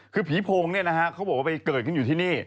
คือผีโพงเขาบอกว่าเขาไปเกิดขึ้นอยู่ที่นี่